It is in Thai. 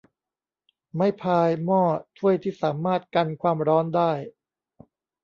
ไม้พาย หม้อ ถ้วยที่สามารถกันความร้อนได้